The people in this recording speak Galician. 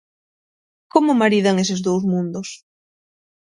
Como maridan eses dous mundos?